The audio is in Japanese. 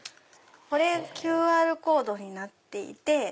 これＱＲコードになっていて。